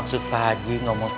kenapa pak haji menghidupkan saya